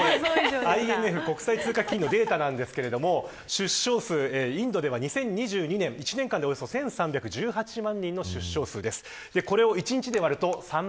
ＩＭＦ国際通貨基金のデータですがインドでは２０２２年１年間で１８４８万人の増加です。